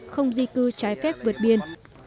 không di cư trái phép vượt biên